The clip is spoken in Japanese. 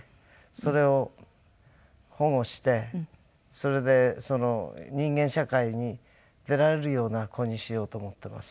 それを保護してそれで人間社会に出られるような子にしようと思ってます。